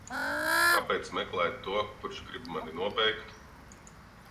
Kāpēc meklēt to, kurš grib mani nobeigt?